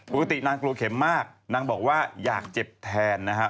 ปกตินางกลัวเข็มมากนางบอกว่าอยากเจ็บแทนนะครับ